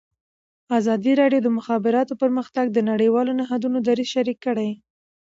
ازادي راډیو د د مخابراتو پرمختګ د نړیوالو نهادونو دریځ شریک کړی.